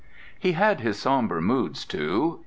He had his sombre moods, too.